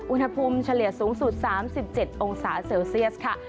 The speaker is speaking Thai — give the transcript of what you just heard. อุณหภูมิเฉลี่ยสูงสุด๓๗องศาเซลเซียสค่ะ